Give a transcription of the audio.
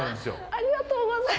ありがとうございます。